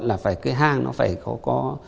là phải cái hang nó phải có